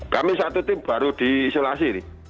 kami satu tim baru di isolasi